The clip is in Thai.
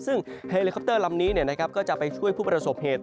ซึ่งเฮลิคอปเตอร์ลำนี้ก็จะไปช่วยผู้ประสบเหตุ